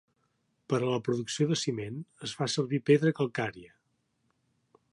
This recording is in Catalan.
Per a la producció de ciment es fa servir pedra calcària.